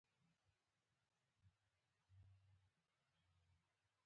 پښتانه بايد د خپلو ماشومانو ښوونځيو کې ګډون وکړي.